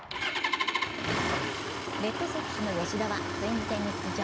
レッドソックスの吉田はツインズ戦に出場。